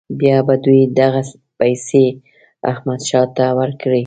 بیا به دوی دغه پیسې احمدشاه ته ورکړي.